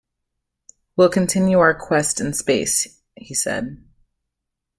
"We'll continue our quest in space", he said.